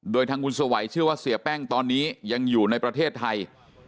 โดยทางบุญสวัยเชื่อว่าเสียแป้งตอนนี้ยังอยู่ในประเทศไทย